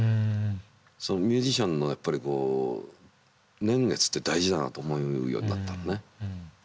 ミュージシャンのやっぱり年月って大事だなと思うようになったのね。